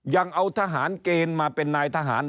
ยังเอาทหารเกณฑ์มาเป็นนายทหาร